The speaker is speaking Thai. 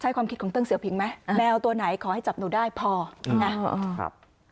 ความคิดของเติ้เสือพิงไหมแมวตัวไหนขอให้จับหนูได้พอนะครับ